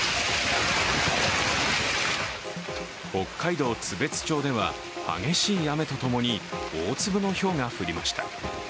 北海道津別町では激しい雨とともに、大粒のひょうが降りました。